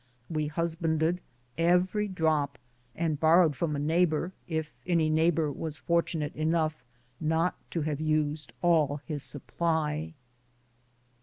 We husbanded every drop, and borrowed from a neighbor, if any neighbor was fortu nate enough not to have used all his supply.